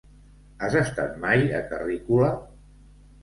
Has estat mai a Carrícola?